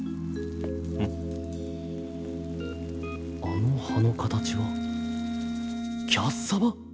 あの葉の形はキャッサバ？